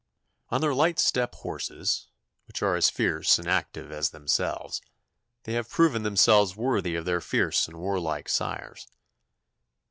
On their light steppe horses, which are as fierce and active as themselves, they have proven themselves worthy of their fierce and warlike sires.